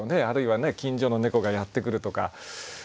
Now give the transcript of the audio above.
あるいはね近所の猫がやって来るとか。